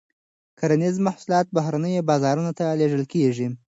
کرنیز محصولات بهرنیو بازارونو ته لیږل کیږي.